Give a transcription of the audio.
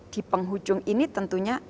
di penghujung ini tentunya